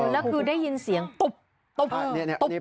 แล้วคือได้ยินเสียงตุ๊บตุ๊บ